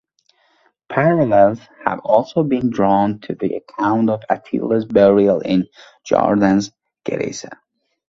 Parallels have also been drawn to the account of Attila's burial in Jordanes' "Getica".